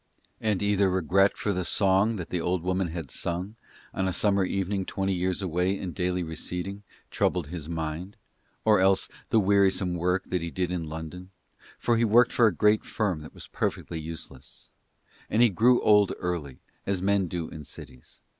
And either regret for the song that the old woman had sung, on a summer evening twenty years away and daily receding, troubled his mind, or else the wearisome work that he did in London, for he worked for a great firm that was perfectly useless; and he grew old early, as men do in cities.